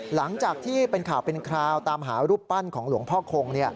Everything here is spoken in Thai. หลังจากที่เป็นข่าวเป็นคราวตามหารูปปั้นของหลวงพ่อคง